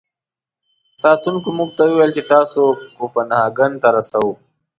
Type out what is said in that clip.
ساتونکو موږ ته و ویل چې تاسو کوپنهاګن ته رسوو.